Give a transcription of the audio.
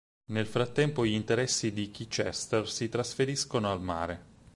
Nel frattempo gli interessi di Chichester si trasferiscono al mare.